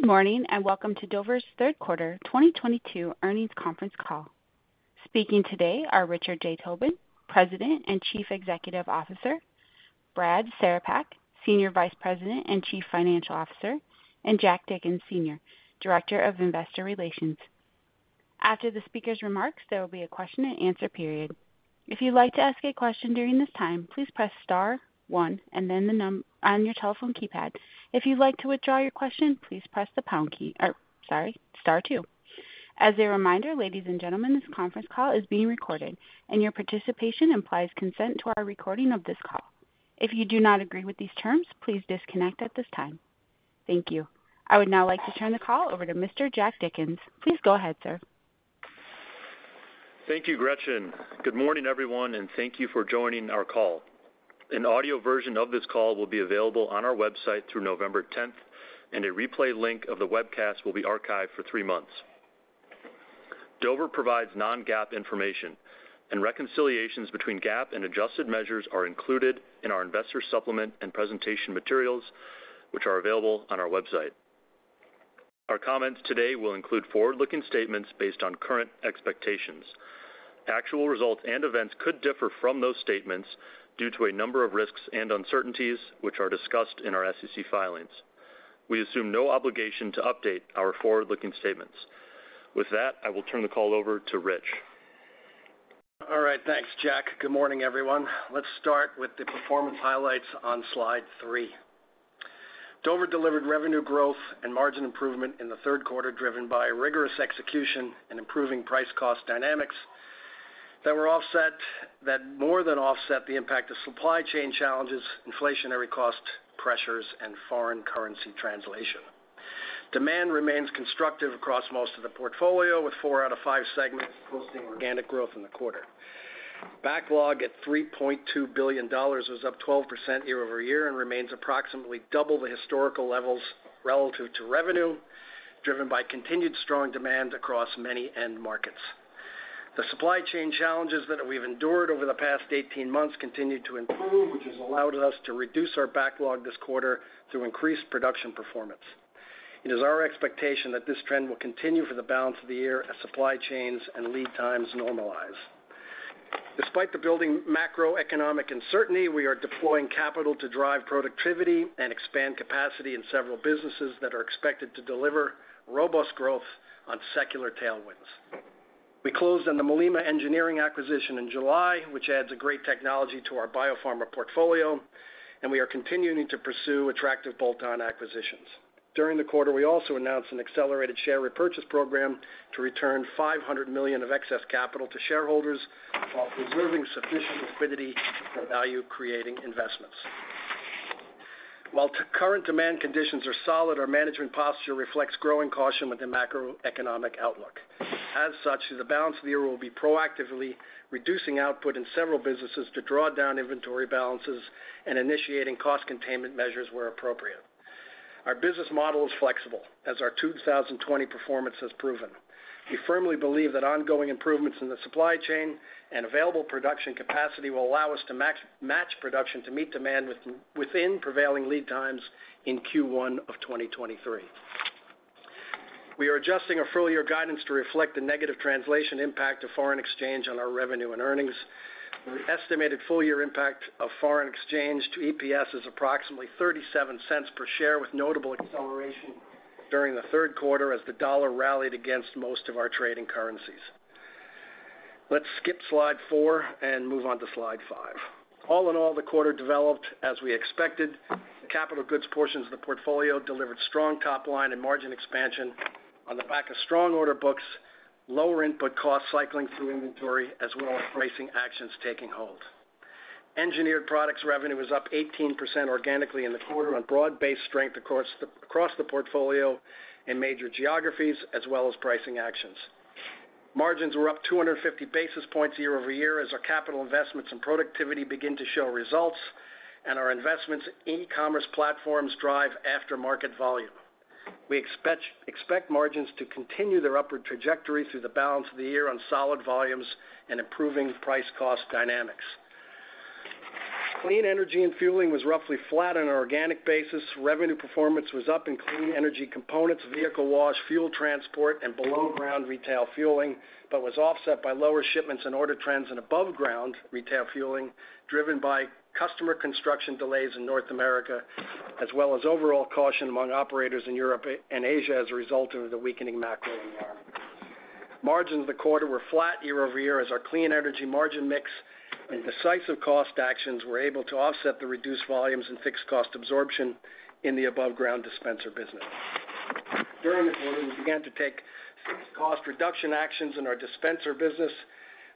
Good morning, and welcome to Dover Third Quarter 2022 Earnings Conference call. Speaking today are Richard J. Tobin, President and Chief Executive Officer, Brad Cerepak, Senior Vice President and Chief Financial Officer, and Jack Dickens, Senior Director of Investor Relations. After the speaker's remarks, there will be a question-and-answer period. If you'd like to ask a question during this time, please press star one and then the number on your telephone keypad. If you'd like to withdraw your question, please press the pound key or, sorry, star two. As a reminder, ladies and gentlemen, this conference call is being recorded, and your participation implies consent to our recording of this call. If you do not agree with these terms, please disconnect at this time. Thank you. I would now like to turn the call over to Mr. Jack Dickens. Please go ahead, sir. Thank you, Gretchen. Good morning, everyone, and thank you for joining our call. An audio version of this call will be available on our website through November 10th, and a replay link of the webcast will be archived for three months. Dover provides non-GAAP information and reconciliations between GAAP and adjusted measures are included in our investor supplement and presentation materials, which are available on our website. Our comments today will include forward-looking statements based on current expectations. Actual results and events could differ from those statements due to a number of risks and uncertainties which are discussed in our SEC filings. We assume no obligation to update our forward-looking statements. With that, I will turn the call over to Rich. All right. Thanks, Jack. Good morning, everyone. Let's start with the performance highlights on slide three. Dover delivered revenue growth and margin improvement in the third quarter, driven by rigorous execution and improving price cost dynamics that more than offset the impact of supply chain challenges, inflationary cost pressures, and foreign currency translation. Demand remains constructive across most of the portfolio, with four out of five segments posting organic growth in the quarter. Backlog at $3.2 billion was up 12% year-over-year and remains approximately double the historical levels relative to revenue, driven by continued strong demand across many end markets. The supply chain challenges that we've endured over the past 18 months continue to improve, which has allowed us to reduce our backlog this quarter through increased production performance. It is our expectation that this trend will continue for the balance of the year as supply chains and lead times normalize. Despite the building macroeconomic uncertainty, we are deploying capital to drive productivity and expand capacity in several businesses that are expected to deliver robust growth on secular tailwinds. We closed on the Malema Engineering acquisition in July, which adds a great technology to our biopharma portfolio, and we are continuing to pursue attractive bolt-on acquisitions. During the quarter, we also announced an accelerated share repurchase program to return $500 million of excess capital to shareholders while preserving sufficient liquidity for value-creating investments. While current demand conditions are solid, our management posture reflects growing caution with the macroeconomic outlook. As such, the balance of the year will be proactively reducing output in several businesses to draw down inventory balances and initiating cost containment measures where appropriate. Our business model is flexible, as our 2020 performance has proven. We firmly believe that ongoing improvements in the supply chain and available production capacity will allow us to match production to meet demand within prevailing lead times in Q1 2023. We are adjusting our full year guidance to reflect the negative translation impact of foreign exchange on our revenue and earnings. The estimated full year impact of foreign exchange to EPS is approximately $0.37 per share, with notable acceleration during the third quarter as the dollar rallied against most of our trading currencies. Let's skip slide four and move on to slide five. All in all, the quarter developed as we expected. Capital goods portions of the portfolio delivered strong top line and margin expansion on the back of strong order books, lower input cost cycling through inventory, as well as pricing actions taking hold. Engineered Products revenue was up 18% organically in the quarter on broad-based strength across the portfolio in major geographies as well as pricing actions. Margins were up 250 basis points year-over-year as our capital investments in productivity begin to show results and our investments in e-commerce platforms drive after-market volume. We expect margins to continue their upward trajectory through the balance of the year on solid volumes and improving price cost dynamics. Clean Energy & Fueling was roughly flat on an organic basis. Revenue performance was up in Clean Energy components, vehicle wash, fuel transport, and below-ground retail fueling, but was offset by lower shipments and order trends in above-ground retail fueling, driven by customer construction delays in North America, as well as overall caution among operators in Europe and Asia as a result of the weakening macro environment. Margins in the quarter were flat year-over-year as our Clean Energy margin mix and decisive cost actions were able to offset the reduced volumes and fixed cost absorption in the above-ground dispenser business. During the quarter, we began to take fixed cost reduction actions in our dispenser business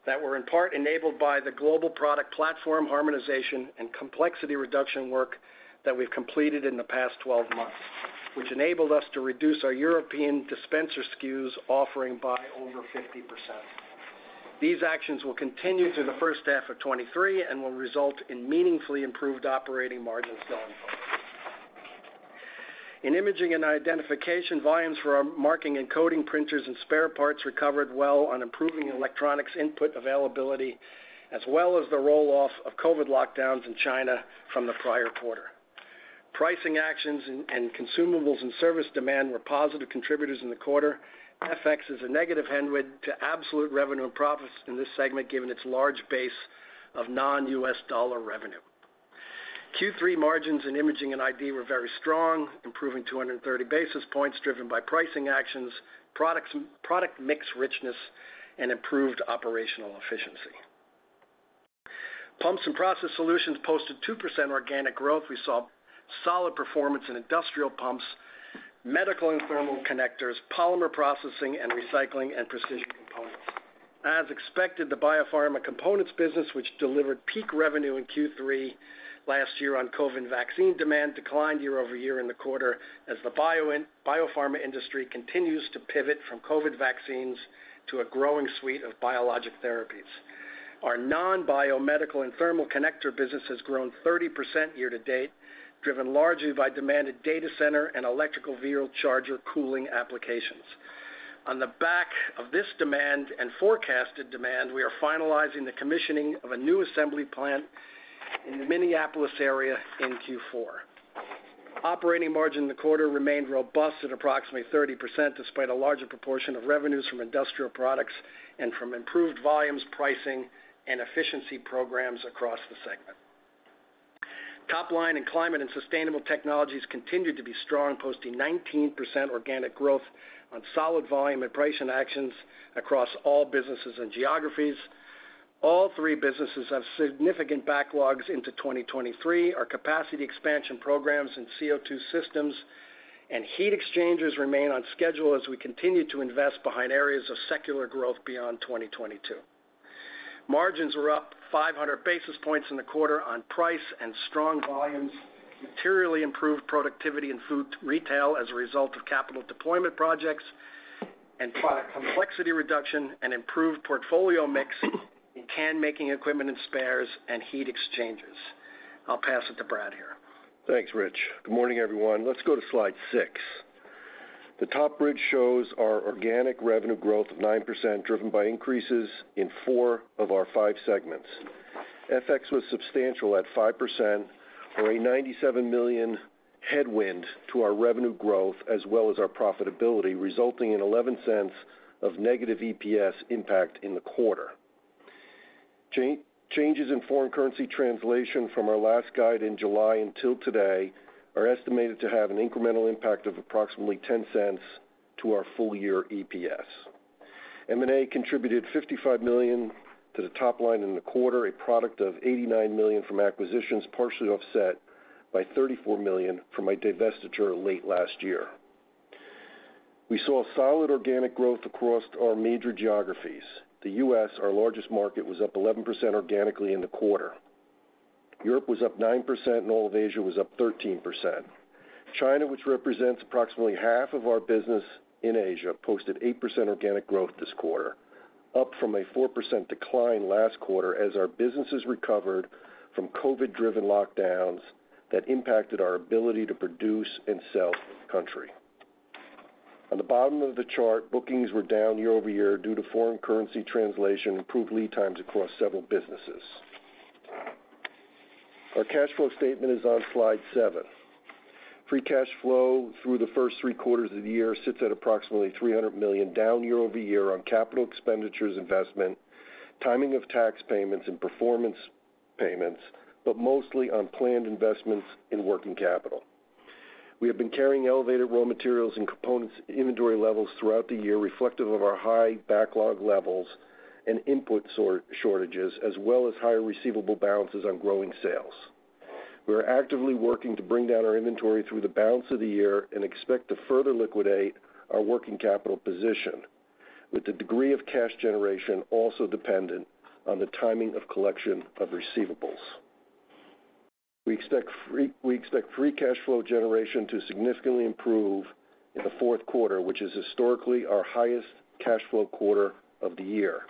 that were in part enabled by the global product platform harmonization and complexity reduction work that we've completed in the past 12 months, which enabled us to reduce our European dispenser SKUs offering by over 50%. These actions will continue through the first half of 2023 and will result in meaningfully improved operating margins going forward. In Imaging & Identification, volumes for our marking and coding printers and spare parts recovered well on improving electronics input availability, as well as the roll off of COVID lockdowns in China from the prior quarter. Pricing actions and consumables and service demand were positive contributors in the quarter. FX is a negative headwind to absolute revenue and profits in this segment given its large base of non-U.S. dollar revenue. Q3 margins in Imaging & ID were very strong, improving 230 basis points driven by pricing actions, product mix richness and improved operational efficiency. Pumps & Process Solutions posted 2% organic growth. We saw solid performance in industrial pumps, medical and thermal connectors, polymer processing and recycling, and precision components. As expected, the biopharma components business, which delivered peak revenue in Q3 last year on COVID vaccine demand, declined year-over-year in the quarter as the biopharma industry continues to pivot from COVID vaccines to a growing suite of biologic therapies. Our non-biomedical and thermal connector business has grown 30% year to date, driven largely by demand at data center and electric vehicle charger cooling applications. On the back of this demand and forecasted demand, we are finalizing the commissioning of a new assembly plant in the Minneapolis area in Q4. Operating margin in the quarter remained robust at approximately 30% despite a larger proportion of revenues from industrial products and from improved volumes, pricing, and efficiency programs across the segment. Top line and Climate & Sustainability Technologies continued to be strong, posting 19% organic growth on solid volume and pricing actions across all businesses and geographies. All three businesses have significant backlogs into 2023. Our capacity expansion programs in CO2 systems and heat exchangers remain on schedule as we continue to invest behind areas of secular growth beyond 2022. Margins were up 500 basis points in the quarter on price and strong volumes, materially improved productivity in food retail as a result of capital deployment projects, and product complexity reduction and improved portfolio mix in can-making equipment and spares and heat exchangers. I'll pass it to Brad here. Thanks, Rich. Good morning, everyone. Let's go to slide six. The top bridge shows our organic revenue growth of 9%, driven by increases in four of our five segments. FX was substantial at 5% or a $97 million headwind to our revenue growth as well as our profitability, resulting in $0.11 of negative EPS impact in the quarter. Changes in foreign currency translation from our last guide in July until today are estimated to have an incremental impact of approximately $0.10 to our full-year EPS. M&A contributed $55 million to the top line in the quarter, a product of $89 million from acquisitions, partially offset by $34 million from a divestiture late last year. We saw a solid organic growth across our major geographies. The U.S., our largest market, was up 11% organically in the quarter. Europe was up 9%, and all of Asia was up 13%. China, which represents approximately half of our business in Asia, posted 8% organic growth this quarter, up from a 4% decline last quarter as our businesses recovered from COVID-driven lockdowns that impacted our ability to produce and sell in the country. On the bottom of the chart, bookings were down year-over-year due to foreign currency translation, improved lead times across several businesses. Our cash flow statement is on slide seven. Free cash flow through the first three quarters of the year sits at approximately $300 million, down year-over-year on capital expenditures investment, timing of tax payments and performance payments, but mostly on planned investments in working capital. We have been carrying elevated raw materials and components inventory levels throughout the year reflective of our high backlog levels and input shortages, as well as higher receivable balances on growing sales. We are actively working to bring down our inventory through the balance of the year and expect to further liquidate our working capital position, with the degree of cash generation also dependent on the timing of collection of receivables. We expect free cash flow generation to significantly improve in the fourth quarter, which is historically our highest cash flow quarter of the year.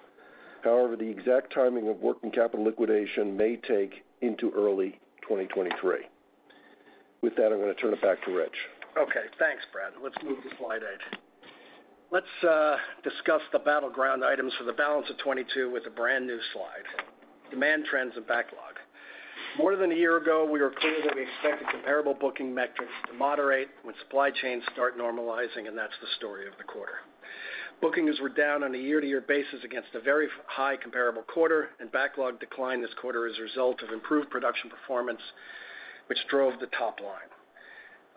However, the exact timing of working capital liquidation may take into early 2023. With that, I'm going to turn it back to Richard. Okay, thanks, Brad. Let's move to slide eight. Let's discuss the battleground items for the balance of 2022 with a brand-new slide. Demand trends and backlog. More than a year ago, we were clear that we expected comparable booking metrics to moderate when supply chains start normalizing, and that's the story of the quarter. Bookings were down on a year-to-year basis against a very high comparable quarter, and backlog declined this quarter as a result of improved production performance, which drove the top line.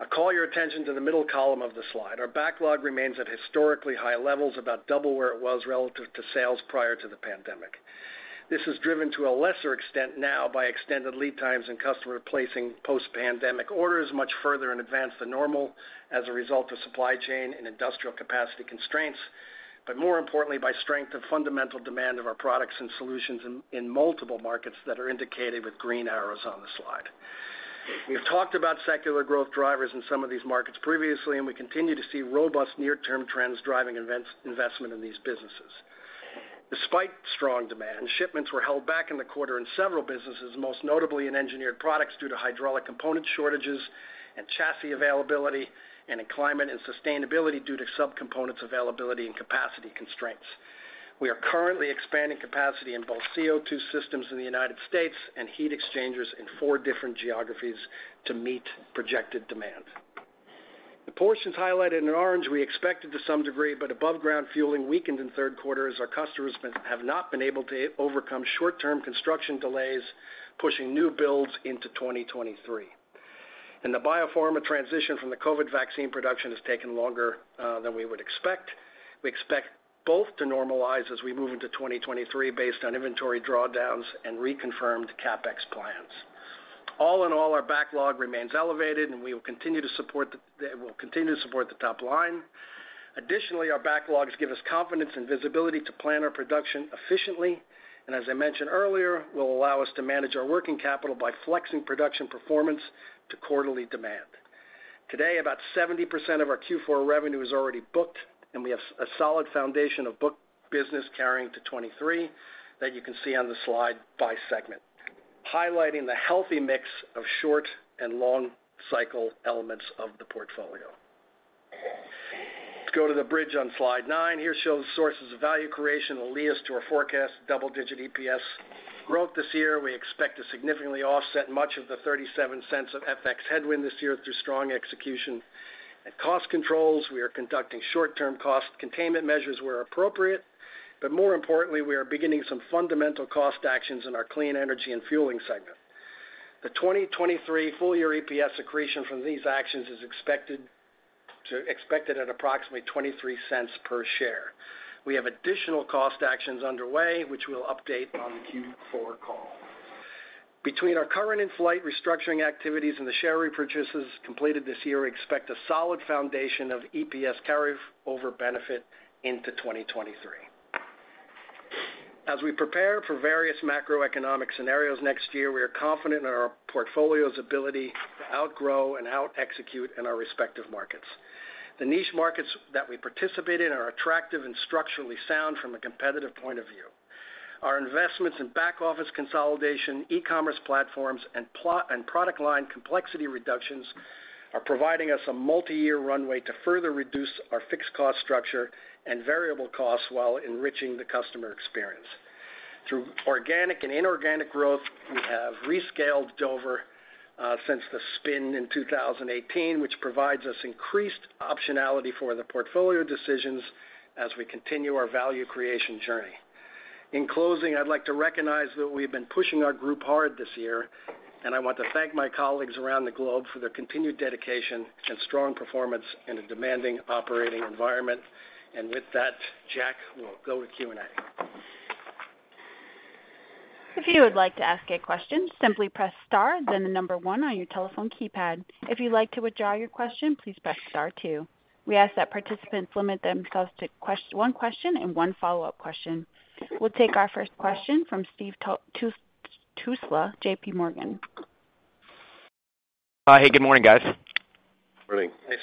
I call your attention to the middle column of the slide. Our backlog remains at historically high levels, about double where it was relative to sales prior to the pandemic. This is driven to a lesser extent now by extended lead times and customer placing post-pandemic orders much further in advance than normal as a result of supply chain and industrial capacity constraints, but more importantly by strength of fundamental demand of our products and solutions in multiple markets that are indicated with green arrows on the slide. We've talked about secular growth drivers in some of these markets previously, and we continue to see robust near-term trends driving investment in these businesses. Despite strong demand, shipments were held back in the quarter in several businesses, most notably in Engineered Products due to hydraulic component shortages and chassis availability, and in Climate and Sustainability due to sub-components availability and capacity constraints. We are currently expanding capacity in both CO2 systems in the United States and heat exchangers in four different geographies to meet projected demand. The portions highlighted in orange, we expected to some degree, but above ground fueling weakened in third quarter as our customers have not been able to overcome short-term construction delays, pushing new builds into 2023. In the biopharma transition from the COVID vaccine production has taken longer than we would expect. We expect both to normalize as we move into 2023 based on inventory drawdowns and reconfirmed CapEx plans. All in all, our backlog remains elevated, and they will continue to support the top line. Additionally, our backlogs give us confidence and visibility to plan our production efficiently, and as I mentioned earlier, will allow us to manage our working capital by flexing production performance to quarterly demand. Today, about 70% of our Q4 revenue is already booked, and we have a solid foundation of book business carrying into 2023 that you can see on the slide by segment, highlighting the healthy mix of short and long cycle elements of the portfolio. Let's go to the bridge on slide nine. This shows sources of value creation that will lead us to our forecast double-digit EPS growth this year. We expect to significantly offset much of the $0.37 of FX headwind this year through strong execution and cost controls. We are conducting short-term cost containment measures where appropriate, but more importantly, we are beginning some fundamental cost actions in our Clean Energy & Fueling segment. The 2023 full year EPS accretion from these actions is expected at approximately $0.23 per share. We have additional cost actions underway, which we'll update on the Q4 call. Between our current and flight restructuring activities and the share repurchases completed this year, we expect a solid foundation of EPS carry over benefit into 2023. As we prepare for various macroeconomic scenarios next year, we are confident in our portfolio's ability to outgrow and out execute in our respective markets. The niche markets that we participate in are attractive and structurally sound from a competitive point of view. Our investments in back-office consolidation, e-commerce platforms, and product line complexity reductions are providing us a multi-year runway to further reduce our fixed cost structure and variable costs while enriching the customer experience. Through organic and inorganic growth, we have rescaled Dover since the spin in 2018, which provides us increased optionality for the portfolio decisions as we continue our value creation journey. In closing, I'd like to recognize that we've been pushing our group hard this year, and I want to thank my colleagues around the globe for their continued dedication and strong performance in a demanding operating environment. With that, Jack, we'll go to Q&A. If you would like to ask a question, simply press star, then the number one on your telephone keypad. If you'd like to withdraw your question, please press star two. We ask that participants limit themselves to one question and one follow-up question. We'll take our first question from Steve Tusa, JPMorgan. Hey, good morning, guys. Morning. Thanks,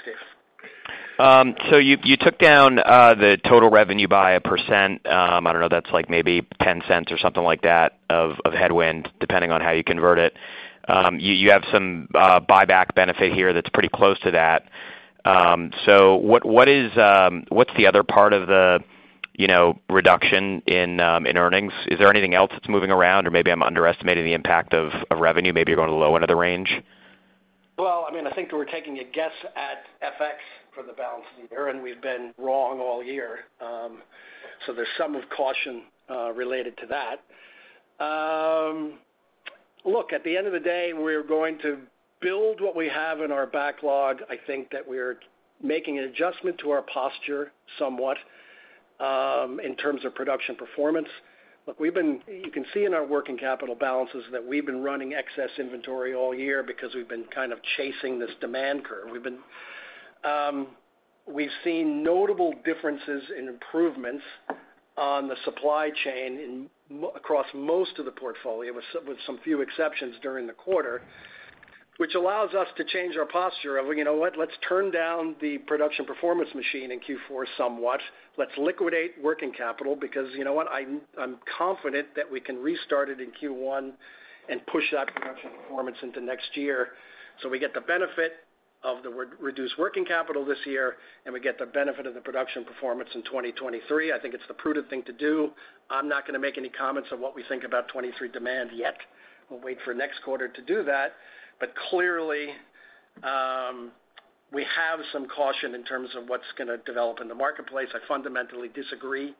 Steve. You took down the total revenue by 1%. I don't know, that's like maybe $0.10 or something like that of headwind, depending on how you convert it. You have some buyback benefit here that's pretty close to that. What is the other part of the, you know, reduction in earnings? Is there anything else that's moving around? Or maybe I'm underestimating the impact of revenue. Maybe you're going low end of the range. Well, I mean, I think we're taking a guess at FX for the balance of the year, and we've been wrong all year. There's some caution related to that. Look, at the end of the day, we're going to build what we have in our backlog. I think that we're making an adjustment to our posture somewhat in terms of production performance. Look, you can see in our working capital balances that we've been running excess inventory all year because we've been kind of chasing this demand curve. We've seen notable improvements in the supply chain across most of the portfolio, with some few exceptions during the quarter, which allows us to change our posture of, you know what, let's turn down the production performance machine in Q4 somewhat. Let's liquidate working capital because, you know what, I'm confident that we can restart it in Q1 and push that production performance into next year. We get the benefit of the reduced working capital this year, and we get the benefit of the production performance in 2023. I think it's the prudent thing to do. I'm not gonna make any comments on what we think about 2023 demand yet. We'll wait for next quarter to do that. Clearly, we have some caution in terms of what's gonna develop in the marketplace. I fundamentally disagree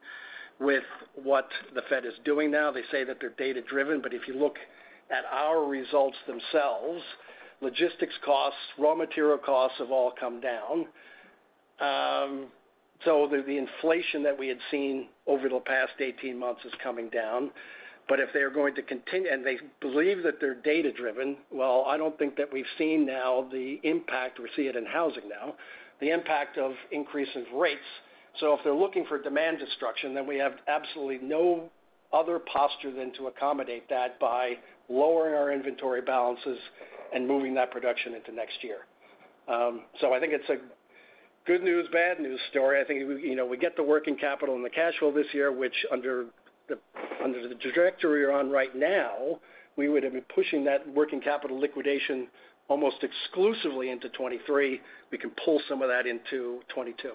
with what the Fed is doing now. They say that they're data-driven, but if you look at our results themselves, logistics costs, raw material costs have all come down. The inflation that we had seen over the past 18 months is coming down. If they're going to continue, and they believe that they're data-driven, well, I don't think that we've seen now the impact, we see it in housing now, the impact of increase in rates. If they're looking for demand destruction, then we have absolutely no other posture than to accommodate that by lowering our inventory balances and moving that production into next year. I think it's a good news, bad news story. I think, you know, we get the working capital and the cash flow this year, which under the trajectory we're on right now, we would have been pushing that working capital liquidation almost exclusively into 2023. We can pull some of that into 2022.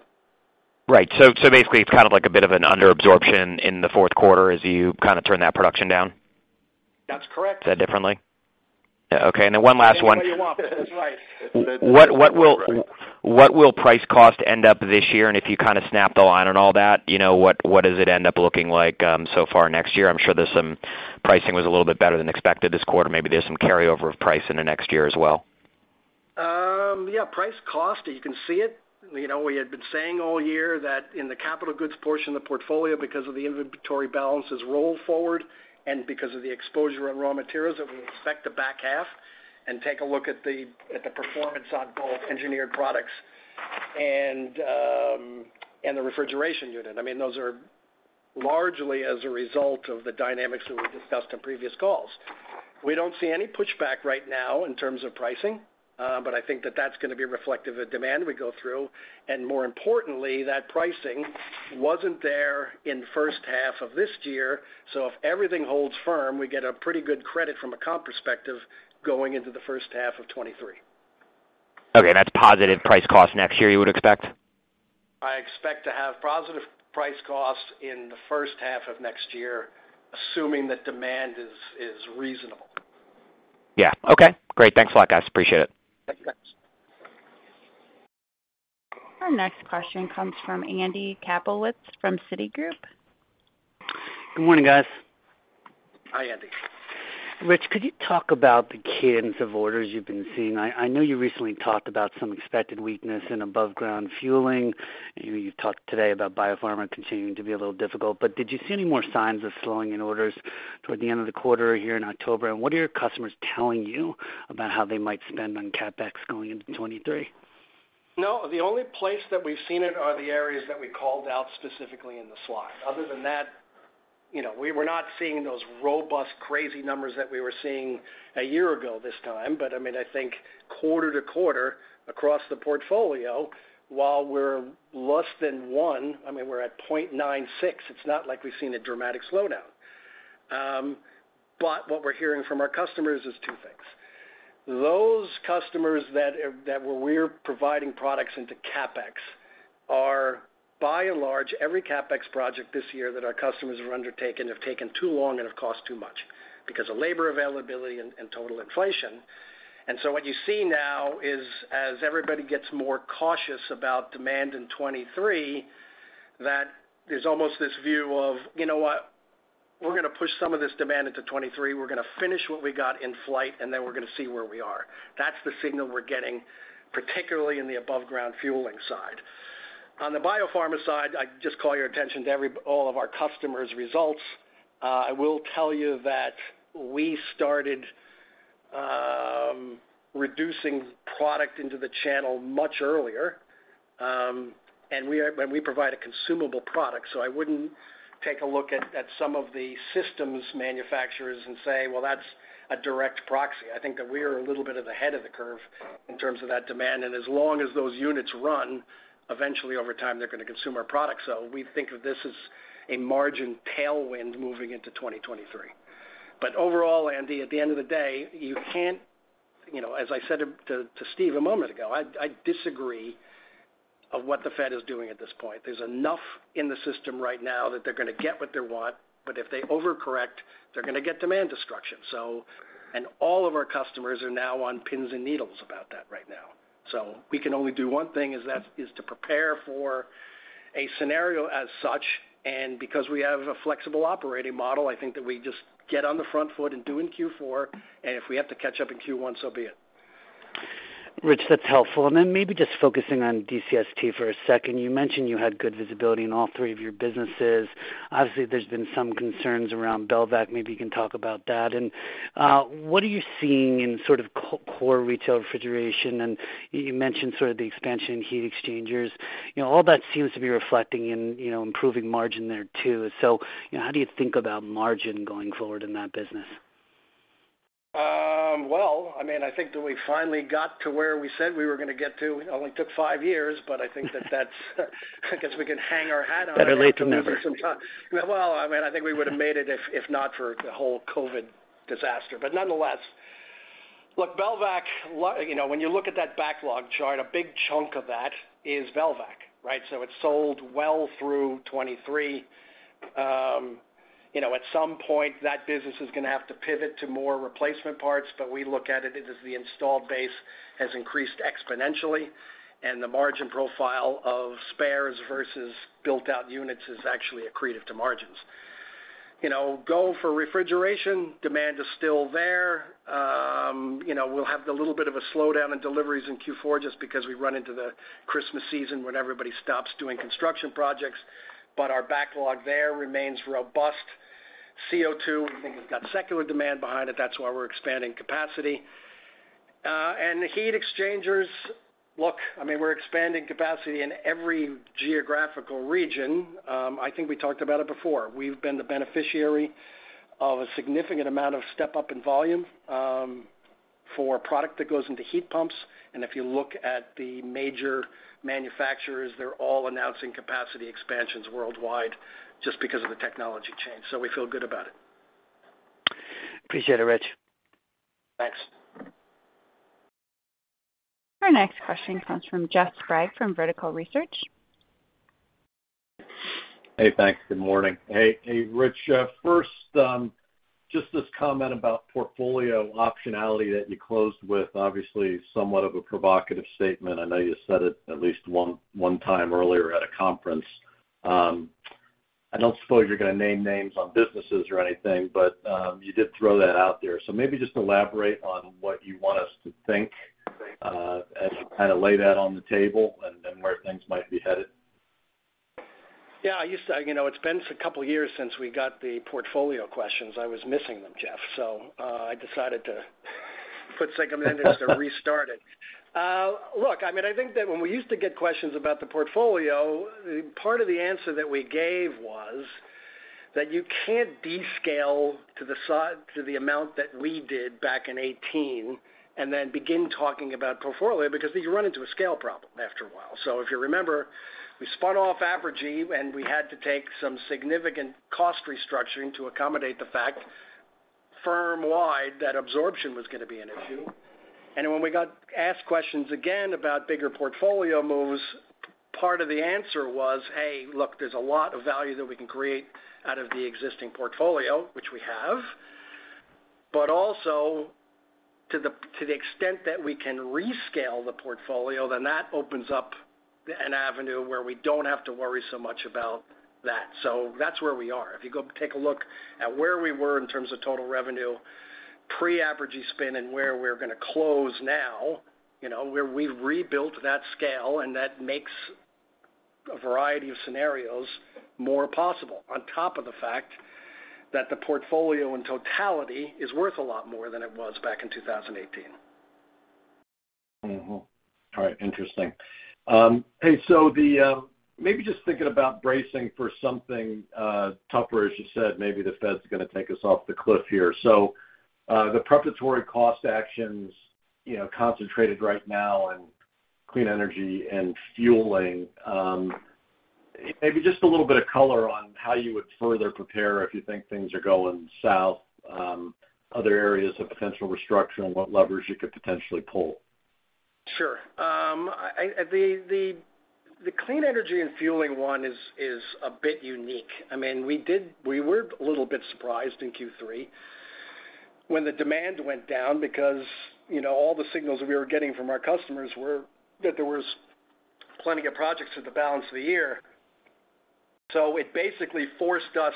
Right. Basically it's kind of like a bit of an under absorption in the fourth quarter as you kind of turn that production down? That's correct. Say it differently. Yeah. Okay. One last one. Any way you want. That's right. What will price-cost end up this year? If you kind of snap the line on all that, you know, what does it end up looking like so far next year? I'm sure there's some pricing was a little bit better than expected this quarter. Maybe there's some carryover of pricing into next year as well. Yeah, price cost, you can see it. You know, we had been saying all year that in the capital goods portion of the portfolio, because of the inventory balances roll forward and because of the exposure of raw materials, it will affect the back half. Take a look at the performance on both Engineered Products and the refrigeration unit. I mean, those are largely as a result of the dynamics that we discussed in previous calls. We don't see any pushback right now in terms of pricing. But I think that that's gonna be reflective of demand we go through. More importantly, that pricing wasn't there in the first half of this year. If everything holds firm, we get a pretty good credit from a comp perspective going into the first half of 2023. Okay, that's positive price cost next year, you would expect? I expect to have positive price cost in the first half of next year, assuming that demand is reasonable. Yeah. Okay, great. Thanks a lot, guys. Appreciate it. Thank you. Our next question comes from Andy Kaplowitz from Citigroup. Good morning, guys. Hi, Andy. Rich, could you talk about the cadence of orders you've been seeing? I know you recently talked about some expected weakness in above ground fueling. You know, you've talked today about biopharma continuing to be a little difficult, but did you see any more signs of slowing in orders toward the end of the quarter here in October? And what are your customers telling you about how they might spend on CapEx going into 2023? No, the only place that we've seen it are the areas that we called out specifically in the slide. Other than that, you know, we were not seeing those robust, crazy numbers that we were seeing a year ago this time. I mean, I think quarter to quarter across the portfolio, while we're less than one, I mean, we're at 0.96. It's not like we've seen a dramatic slowdown. What we're hearing from our customers is two things. Those customers that we're providing products into CapEx are by and large, every CapEx project this year that our customers have undertaken have taken too long and have cost too much because of labor availability and total inflation. What you see now is, as everybody gets more cautious about demand in 2023, that there's almost this view of, you know what, we're gonna push some of this demand into 2023. We're gonna finish what we got in flight, and then we're gonna see where we are. That's the signal we're getting, particularly in the above ground fueling side. On the biopharma side, I just call your attention to all of our customers' results. I will tell you that we started reducing product into the channel much earlier, and we provide a consumable product. I wouldn't take a look at some of the systems manufacturers and say, well, that's a direct proxy. I think that we are a little bit ahead of the curve in terms of that demand, and as long as those units run, eventually over time they're gonna consume our products. We think of this as a margin tailwind moving into 2023. Overall, Andy, at the end of the day, you can't. You know, as I said to Steve a moment ago, I disagree with what the Fed is doing at this point. There's enough in the system right now that they're gonna get what they want, but if they overcorrect, they're gonna get demand destruction. All of our customers are now on pins and needles about that right now. We can only do one thing is to prepare for a scenario as such. Because we have a flexible operating model, I think that we just get on the front foot and do in Q4, and if we have to catch up in Q1, so be it. Rich, that's helpful. Maybe just focusing on DCST for a second. You mentioned you had good visibility in all three of your businesses. Obviously, there's been some concerns around Belvac. Maybe you can talk about that. What are you seeing in sort of core retail refrigeration? You mentioned sort of the expansion in heat exchangers. You know, all that seems to be reflecting in, you know, improving margin there too. You know, how do you think about margin going forward in that business? Well, I mean, I think that we finally got to where we said we were gonna get to. It only took five years, but I think that that's, I guess we can hang our hat on that. Better late than never. Well, I mean, I think we would have made it if not for the whole COVID disaster. Nonetheless, look, Belvac, you know, when you look at that backlog chart, a big chunk of that is Belvac, right? It's sold well through 2023. You know, at some point, that business is gonna have to pivot to more replacement parts, but we look at it as the installed base has increased exponentially and the margin profile of spares versus built out units is actually accretive to margins. You know, for refrigeration, demand is still there. You know, we'll have a little bit of a slowdown in deliveries in Q4 just because we run into the Christmas season when everybody stops doing construction projects. Our backlog there remains robust. CO2, we think we've got secular demand behind it. That's why we're expanding capacity. The heat exchangers. Look, I mean, we're expanding capacity in every geographical region. I think we talked about it before. We've been the beneficiary of a significant amount of step-up in volume. For product that goes into heat pumps, and if you look at the major manufacturers, they're all announcing capacity expansions worldwide just because of the technology change, so we feel good about it. Appreciate it, Rich. Thanks. Our next question comes from Jeff Sprague from Vertical Research. Hey, thanks. Good morning. Hey, Rich. First, just this comment about portfolio optionality that you closed with, obviously somewhat of a provocative statement. I know you said it at least one time earlier at a conference. I don't suppose you're gonna name names on businesses or anything, but you did throw that out there. Maybe just elaborate on what you want us to think as you kinda lay that on the table and where things might be headed. Yeah, I used to. You know, it's been a couple years since we got the portfolio questions. I was missing them, Jeff, so I decided to put segment recast, restart it. Look, I mean, I think that when we used to get questions about the portfolio, part of the answer that we gave was that you can't descale to the amount that we did back in 2018 and then begin talking about portfolio because you run into a scale problem after a while. If you remember, we spun off Apergy, and we had to take some significant cost restructuring to accommodate the fact firm-wide that absorption was gonna be an issue. When we got asked questions again about bigger portfolio moves, part of the answer was, "Hey, look, there's a lot of value that we can create out of the existing portfolio," which we have. Also, to the extent that we can rescale the portfolio, then that opens up an avenue where we don't have to worry so much about that. That's where we are. If you go take a look at where we were in terms of total revenue pre-Apergy spin and where we're gonna close now, you know, where we've rebuilt that scale, and that makes a variety of scenarios more possible, on top of the fact that the portfolio in totality is worth a lot more than it was back in 2018. Mm-hmm. All right. Interesting. Hey, so maybe just thinking about bracing for something tougher, as you said, maybe the Fed's gonna take us off the cliff here. The preparatory cost actions, you know, concentrated right now in Clean Energy & Fueling, maybe just a little bit of color on how you would further prepare if you think things are going south, other areas of potential restructure and what levers you could potentially pull. Sure. The Clean Energy & Fueling one is a bit unique. I mean, we were a little bit surprised in Q3 when the demand went down because, you know, all the signals we were getting from our customers were that there was plenty of projects for the balance of the year. It basically forced us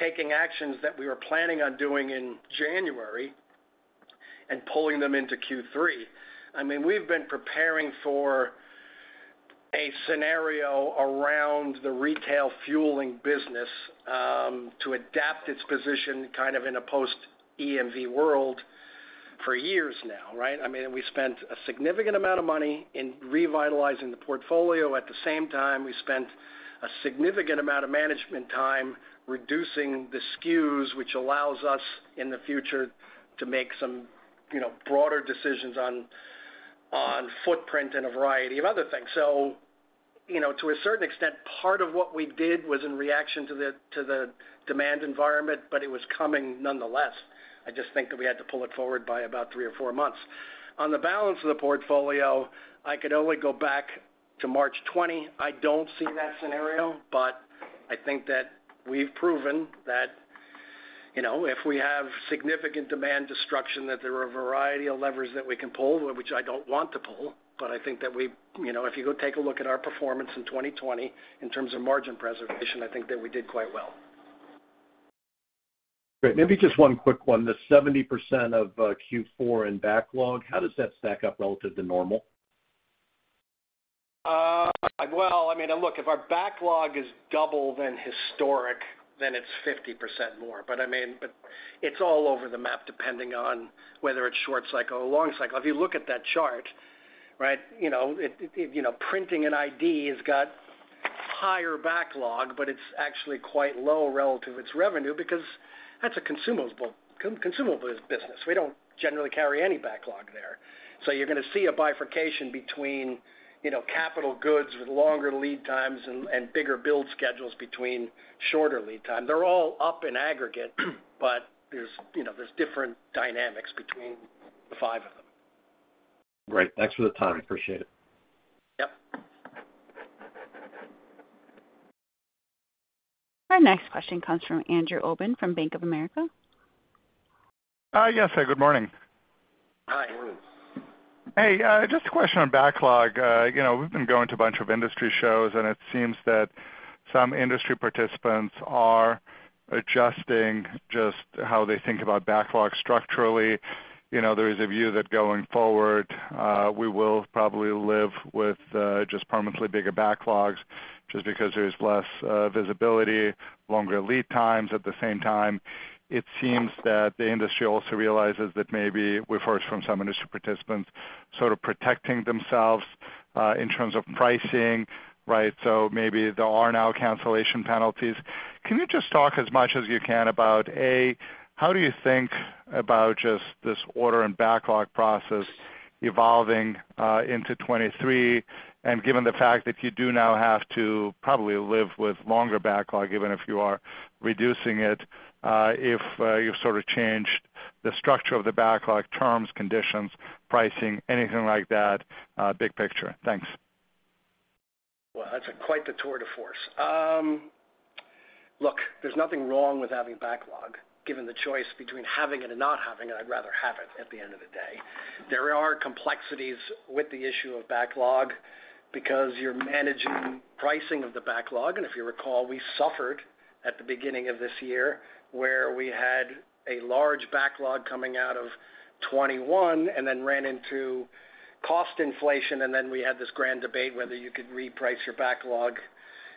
taking actions that we were planning on doing in January and pulling them into Q3. I mean, we've been preparing for a scenario around the retail fueling business to adapt its position kind of in a post-EMV world for years now, right? I mean, we spent a significant amount of money in revitalizing the portfolio. At the same time, we spent a significant amount of management time reducing the SKUs, which allows us in the future to make some, you know, broader decisions on footprint and a variety of other things. You know, to a certain extent, part of what we did was in reaction to the, to the demand environment, but it was coming nonetheless. I just think that we had to pull it forward by about three or four months. On the balance of the portfolio, I could only go back to March 20. I don't see that scenario, but I think that we've proven that, you know, if we have significant demand destruction, that there are a variety of levers that we can pull, which I don't want to pull. I think that we. You know, if you go take a look at our performance in 2020 in terms of margin preservation, I think that we did quite well. Great. Maybe just one quick one. The 70% of Q4 in backlog, how does that stack up relative to normal? Well, I mean, look, if our backlog is double than historic, then it's 50% more. I mean, but it's all over the map depending on whether it's short cycle or long cycle. If you look at that chart, right? You know, it you know, printing and ID has got higher backlog, but it's actually quite low relative to its revenue because that's a consumables business. We don't generally carry any backlog there. So you're gonna see a bifurcation between, you know, capital goods with longer lead times and bigger build schedules between shorter lead time. They're all up in aggregate, but there's you know, different dynamics between the five of them. Great. Thanks for the time. Appreciate it. Yep. Our next question comes from Andrew Obin from Bank of America. Yes. Good morning. Hi. Hey, just a question on backlog. You know, we've been going to a bunch of industry shows, and it seems that some industry participants are adjusting just how they think about backlog structurally. You know, there is a view that going forward, we will probably live with just permanently bigger backlogs just because there's less visibility, longer lead times. At the same time, it seems that the industry also realizes that maybe, we've heard from some industry participants, sort of protecting themselves in terms of pricing, right? So maybe there are now cancellation penalties. Can you just talk as much as you can about, A, how do you think about just this order and backlog process evolving into 2023? Given the fact that you do now have to probably live with longer backlog, even if you are reducing it, you've sort of changed the structure of the backlog terms, conditions, pricing, anything like that, big picture? Thanks. Well, that's quite the tour de force. Look, there's nothing wrong with having backlog. Given the choice between having it and not having it, I'd rather have it at the end of the day. There are complexities with the issue of backlog because you're managing pricing of the backlog. If you recall, we suffered at the beginning of this year, where we had a large backlog coming out of 2021, and then ran into cost inflation. Then we had this grand debate whether you could reprice your backlog,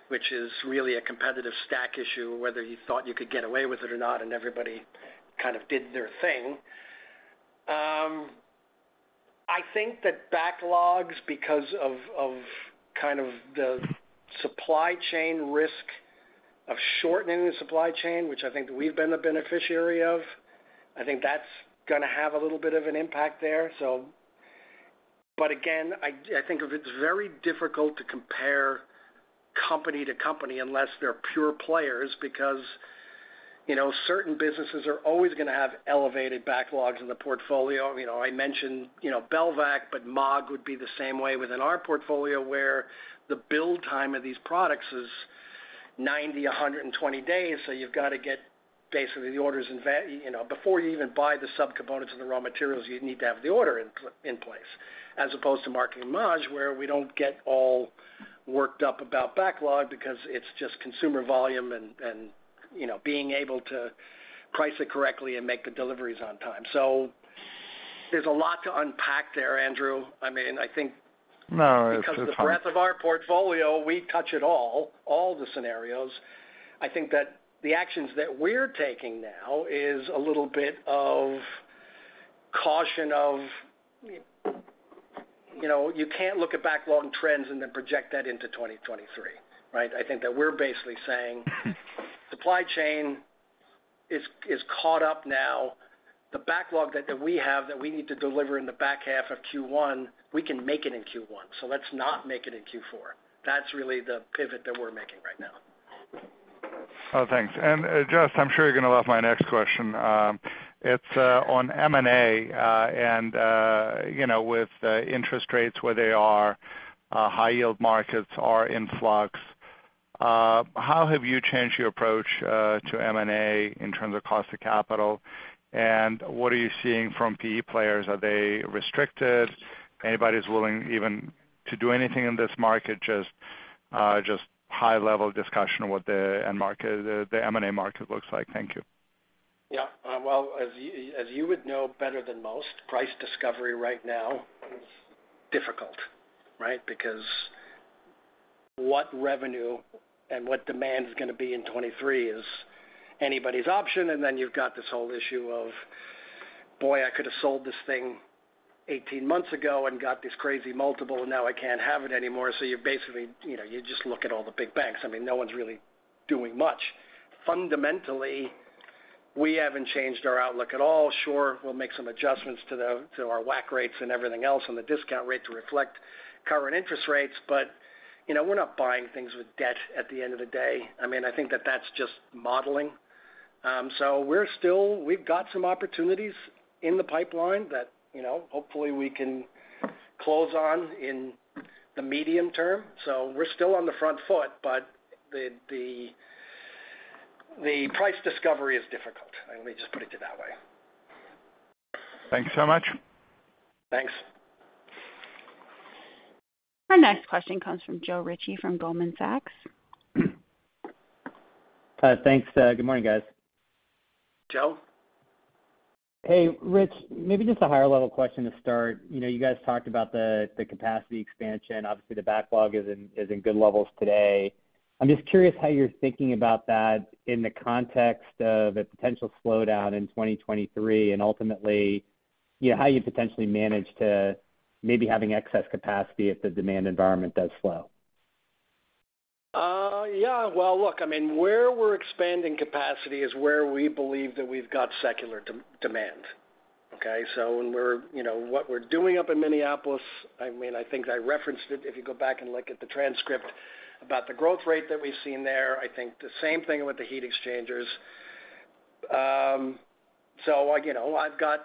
which is really a competitive stack issue, whether you thought you could get away with it or not, and everybody kind of did their thing. I think that backlogs, because of kind of the supply chain risk of shortening the supply chain, which I think we've been the beneficiary of, I think that's gonna have a little bit of an impact there. Again, I think it's very difficult to compare company to company unless they're pure players, because, you know, certain businesses are always gonna have elevated backlogs in the portfolio. You know, I mentioned, you know, Belvac, but MAAG would be the same way within our portfolio, where the build time of these products is 90-120 days. You've got to get basically the orders in, you know, before you even buy the subcomponents and the raw materials, you need to have the order in place, as opposed to Markem-Imaje, where we don't get all worked up about backlog because it's just consumer volume and, you know, being able to price it correctly and make the deliveries on time. There's a lot to unpack there, Andrew. I mean, I think. No, it's fine. Because of the breadth of our portfolio, we touch it all the scenarios. I think that the actions that we're taking now is a little bit of caution of, you know, you can't look at backlog trends and then project that into 2023, right? I think that we're basically saying supply chain is caught up now. The backlog that we have that we need to deliver in the back half of Q1, we can make it in Q1, so let's not make it in Q4. That's really the pivot that we're making right now. Oh, thanks. Just, I'm sure you're gonna love my next question. It's on M&A, and you know, with interest rates where they are, high yield markets are in flux. How have you changed your approach to M&A in terms of cost of capital? What are you seeing from PE players? Are they restricted? Anybody's willing even to do anything in this market? Just high level discussion of what the end market, the M&A market looks like. Thank you. Yeah. Well, as you would know better than most, price discovery right now is difficult, right? Because what revenue and what demand is gonna be in 2023 is anybody's option. You've got this whole issue of, boy, I could have sold this thing 18 months ago and got this crazy multiple, now I can't have it anymore. You're basically, you know, you just look at all the big banks. I mean, no one's really doing much. Fundamentally, we haven't changed our outlook at all. Sure, we'll make some adjustments to our WACC rates and everything else and the discount rate to reflect current interest rates. You know, we're not buying things with debt at the end of the day. I mean, I think that that's just modeling. We're still. We've got some opportunities in the pipeline that, you know, hopefully we can close on in the medium term. We're still on the front foot. The price discovery is difficult. Let me just put it to you that way. Thank you so much. Thanks. Our next question comes from Joe Ritchie from Goldman Sachs. Thanks. Good morning, guys. Joe. Hey, Rich, maybe just a higher level question to start. You know, you guys talked about the capacity expansion. Obviously, the backlog is in good levels today. I'm just curious how you're thinking about that in the context of a potential slowdown in 2023, and ultimately, you know, how you potentially manage to maybe having excess capacity if the demand environment does slow. Yeah. Well, look, I mean, where we're expanding capacity is where we believe that we've got secular demand. So when we're, you know, what we're doing up in Minneapolis, I mean, I think I referenced it if you go back and look at the transcript about the growth rate that we've seen there. I think the same thing with the heat exchangers. So, you know, I've got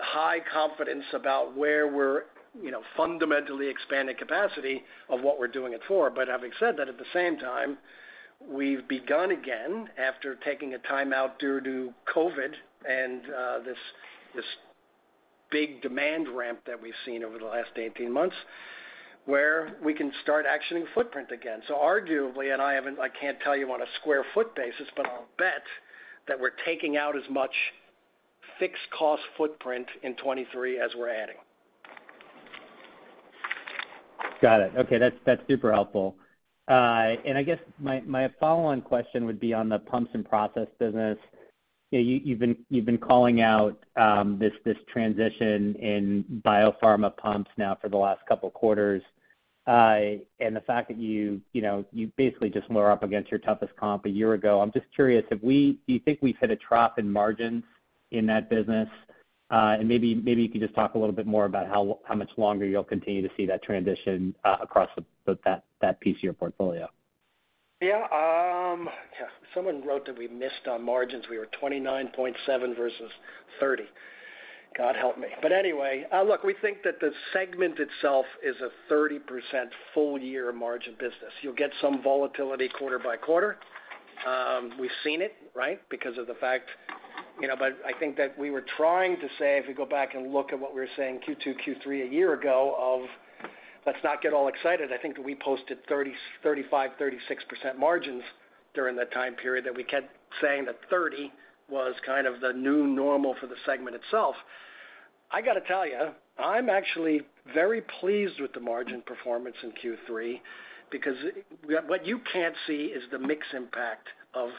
high confidence about where we're, you know, fundamentally expanding capacity of what we're doing it for. But having said that, at the same time, we've begun again, after taking a time out due to COVID and this big demand ramp that we've seen over the last 18 months, where we can start actioning footprint again. I can't tell you on a square foot basis, but I'll bet that we're taking out as much fixed cost footprint in 2023 as we're adding. Got it. Okay. That's super helpful. I guess my follow-on question would be on the pumps and process business. You've been calling out this transition in biopharma pumps now for the last couple of quarters. The fact that you know you basically just were up against your toughest comp a year ago. I'm just curious. Do you think we've hit a trough in margins in that business? Maybe you could just talk a little bit more about how much longer you'll continue to see that transition across that piece of your portfolio. Yeah. Yeah, someone wrote that we missed on margins. We were 29.7 versus 30. God help me. Anyway, look, we think that the segment itself is a 30% full year margin business. You'll get some volatility quarter by quarter. We've seen it, right? Because of the fact, you know. I think that we were trying to say, if we go back and look at what we were saying Q2, Q3 a year ago of, let's not get all excited. I think we posted 30%, 35%, 36% margins during that time period that we kept saying that 30% was kind of the new normal for the segment itself. I got to tell you, I'm actually very pleased with the margin performance in Q3 because what you can't see is the mix impact of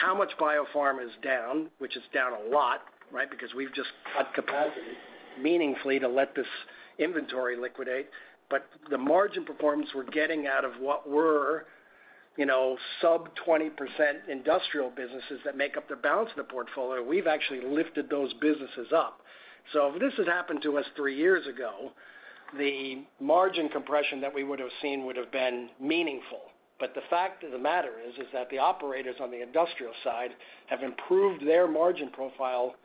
how much biopharma is down, which is down a lot, right? We've just cut capacity meaningfully to let this inventory liquidate. The margin performance we're getting out of what were, you know, sub-20% industrial businesses that make up the balance of the portfolio, we've actually lifted those businesses up. If this had happened to us three years ago, the margin compression that we would have seen would have been meaningful. The fact of the matter is that the operators on the industrial side have improved their margin profile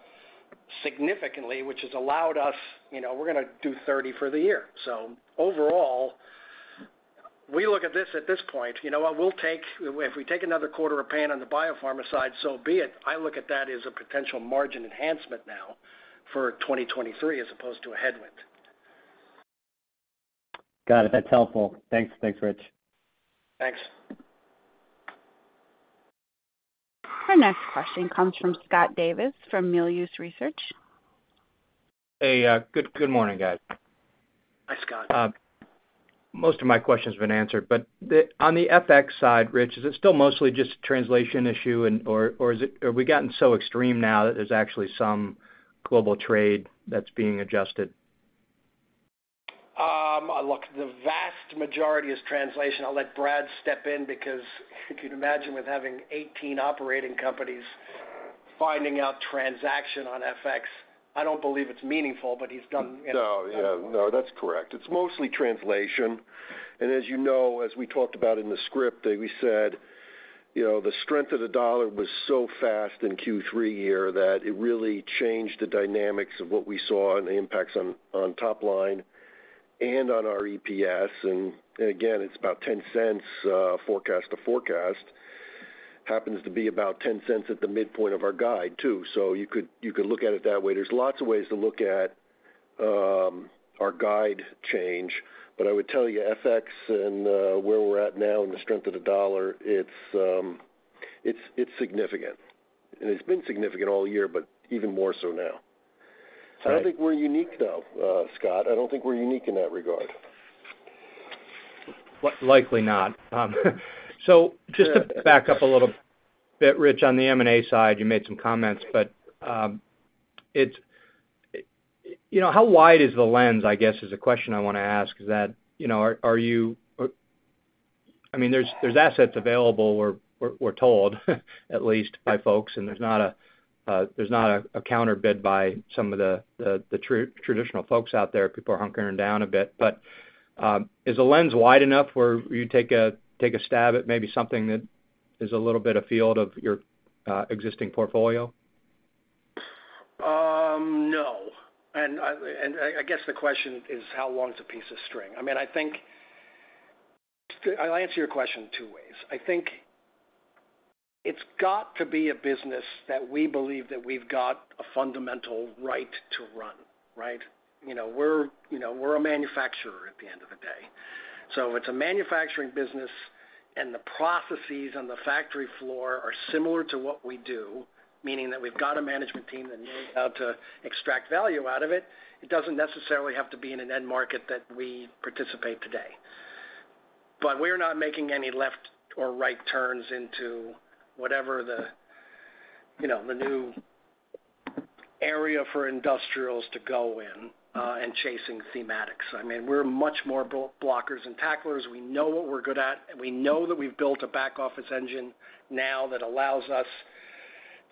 significantly, which has allowed us, you know, we're gonna do 30% for the year. Overall, we look at this at this point, you know what, we'll take, if we take another quarter of pain on the biopharma side, so be it. I look at that as a potential margin enhancement now for 2023 as opposed to a headwind. Got it. That's helpful. Thanks. Thanks, Rich. Thanks. Our next question comes from Scott Davis from Melius Research. Hey, good morning, guys. Hi, Scott. Most of my question's been answered, but on the FX side, Rich, is it still mostly just translation issue and/or have we gotten so extreme now that there's actually some global trade that's being adjusted? Look, the vast majority is translation. I'll let Brad step in because you can imagine with having eighteen operating companies finding out transaction on FX. I don't believe it's meaningful, but he's done, you know. No, yeah, no, that's correct. It's mostly translation. As you know, as we talked about in the script that we said, you know, the strength of the U.S. dollar was so fast in Q3 here that it really changed the dynamics of what we saw and the impacts on top line and on our EPS. Again, it's about $0.10 forecast to forecast. Happens to be about $0.10 at the midpoint of our guide, too. You could look at it that way. There's lots of ways to look at our guide change. I would tell you, FX and where we're at now in the strength of the U.S. dollar, it's significant. It's been significant all year, but even more so now. Got it. I don't think we're unique, though, Scott. I don't think we're unique in that regard. Likely not. Just to back up a little bit, Rich, on the M&A side, you made some comments, but you know, how wide is the lens, I guess, is a question I want to ask, is that, you know, are you I mean, there's assets available, we're told at least by folks, and there's not a counter bid by some of the traditional folks out there. People are hunkering down a bit. Is the lens wide enough where you take a stab at maybe something that is a little bit afield of your existing portfolio? No. I guess the question is how long is a piece of string? I mean, I think I'll answer your question two ways. I think it's got to be a business that we believe that we've got a fundamental right to run, right? You know, we're a manufacturer at the end of the day. It's a manufacturing business, and the processes on the factory floor are similar to what we do, meaning that we've got a management team that knows how to extract value out of it. It doesn't necessarily have to be in an end market that we participate today. We're not making any left or right turns into whatever the new area for industrials to go in, and chasing thematics. I mean, we're much more blockers and tacklers. We know what we're good at, and we know that we've built a back-office engine now that allows us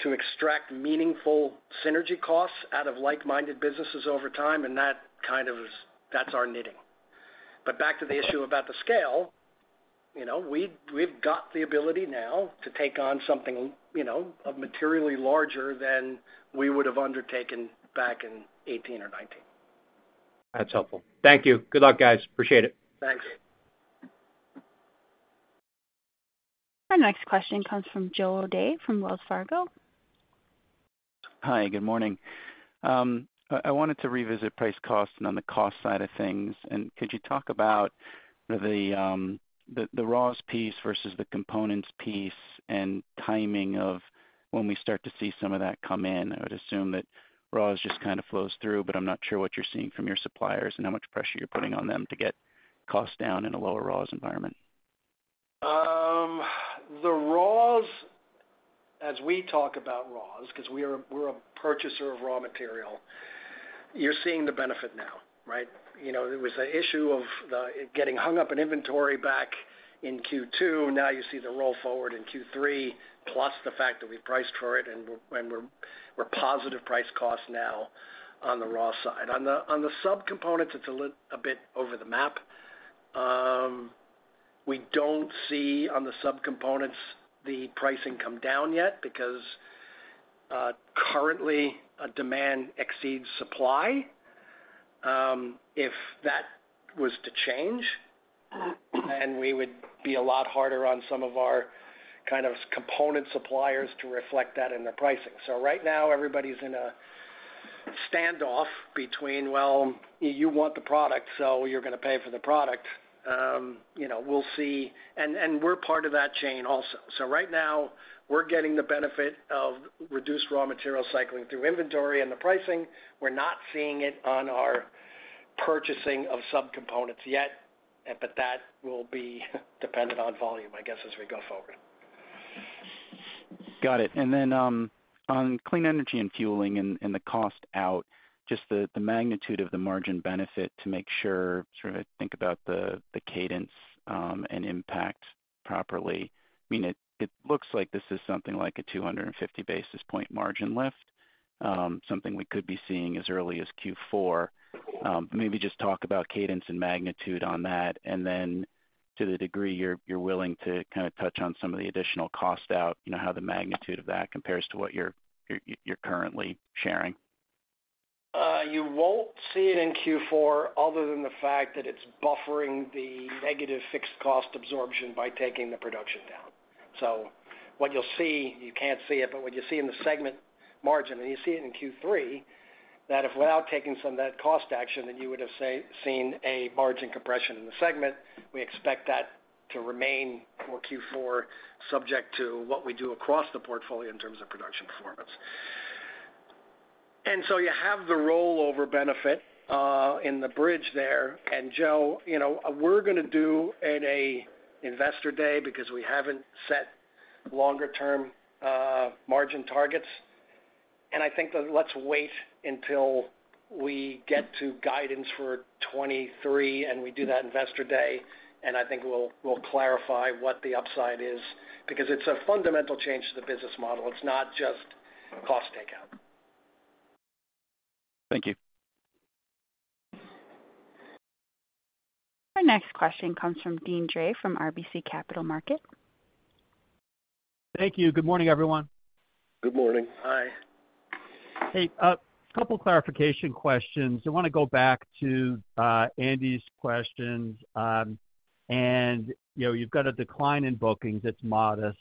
to extract meaningful synergy costs out of like-minded businesses over time, and that kind of is, that's our knitting. Back to the issue about the scale, you know, we've got the ability now to take on something, you know, of materially larger than we would have undertaken back in 2018 or 2019. That's helpful. Thank you. Good luck, guys. Appreciate it. Thanks. Our next question comes from Joe O'Dea from Wells Fargo. Hi, good morning. I wanted to revisit price cost and on the cost side of things. Could you talk about the raw's piece versus the components piece and timing of when we start to see some of that come in? I would assume that raw's just kind of flows through, but I'm not sure what you're seeing from your suppliers and how much pressure you're putting on them to get costs down in a lower raw's environment. The raw's, as we talk about raw's, 'cause we are, we're a purchaser of raw material, you're seeing the benefit now, right? You know, there was the issue of getting hung up in inventory back in Q2. Now you see the roll forward in Q3, plus the fact that we priced for it and we're positive price cost now on the raw side. On the subcomponents, it's a bit over the map. We don't see on the subcomponents the pricing come down yet because currently demand exceeds supply. If that was to change, then we would be a lot harder on some of our kind of component suppliers to reflect that in their pricing. Right now everybody's in a standoff between, well, you want the product, so you're gonna pay for the product. You know, we'll see. We're part of that chain also. Right now we're getting the benefit of reduced raw material cycling through inventory and the pricing. We're not seeing it on our purchasing of subcomponents yet, but that will be dependent on volume, I guess, as we go forward. Got it. On Clean Energy & Fueling and the cost out, just the magnitude of the margin benefit to make sure, trying to think about the cadence and impact properly. I mean, it looks like this is something like a 250 basis points margin lift, something we could be seeing as early as Q4. Maybe just talk about cadence and magnitude on that. To the degree you're willing to kind of touch on some of the additional cost out, you know, how the magnitude of that compares to what you're currently sharing. You won't see it in Q4 other than the fact that it's buffering the negative fixed cost absorption by taking the production down. What you'll see, you can't see it, but what you see in the segment margin, and you see it in Q3, that if without taking some of that cost action, then you would have, say, seen a margin compression in the segment. We expect that to remain for Q4, subject to what we do across the portfolio in terms of production performance. You have the rollover benefit in the bridge there. Joe, you know, we're gonna do at an investor day because we haven't set longer term margin targets. I think that let's wait until we get to guidance for 2023, and we do that investor day, and I think we'll clarify what the upside is, because it's a fundamental change to the business model. It's not just cost takeout. Thank you. Our next question comes from Deane Dray from RBC Capital Markets. Thank you. Good morning, everyone. Good morning. Hi. Hey, a couple clarification questions. I wanna go back to Andy's questions. You know, you've got a decline in bookings that's modest.